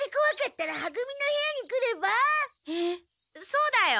そうだよ。